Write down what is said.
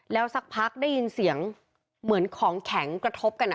แล้วสักพักได้ยินเสียงเหมือนของแข็งกระทบกัน